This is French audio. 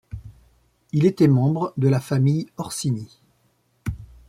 Il était membre de la famille Orsini.